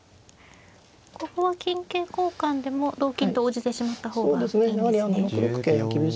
ここは金桂交換でも同金と応じてしまった方がいいんですね。